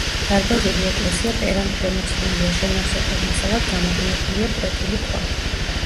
დარბაზული ეკლესია პერანგშემოცლილია, შემავსებელ მასალად გამოყენებულია ფლეთილი ქვა.